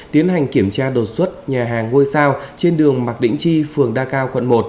tiến hành kiểm tra đột xuất nhà hàng ngôi sao trên đường mạc định chi phường đa cao quận một